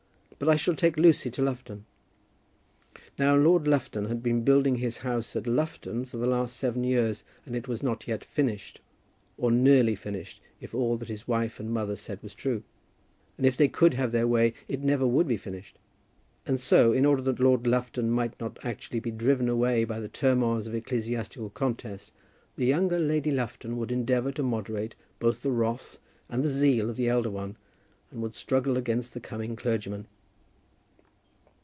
But I shall take Lucy to Lufton." Now Lord Lufton had been building his house at Lufton for the last seven years, and it was not yet finished, or nearly finished, if all that his wife and mother said was true. And if they could have their way, it never would be finished. And so, in order that Lord Lufton might not be actually driven away by the turmoils of ecclesiastical contest, the younger Lady Lufton would endeavour to moderate both the wrath and the zeal of the elder one, and would struggle against the coming clergymen.